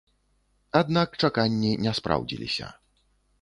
Аднак чаканні не спраўдзіліся.